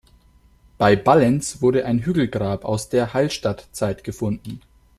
Bei Ballens wurde ein Hügelgrab aus der Hallstattzeit gefunden.